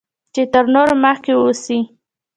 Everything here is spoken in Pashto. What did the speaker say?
چې تر نورو مخکې واوسی